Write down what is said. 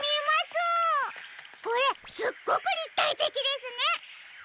これすっごくりったいてきですね！